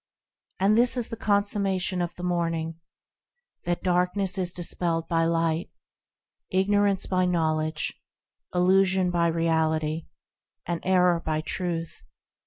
And this is the consummation of the Morning,– That darkness is dispelled by Light Ignorance by Knowledge, Illusion by Reality, And error by Truth.